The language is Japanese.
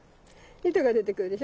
糸が出てくるでしょ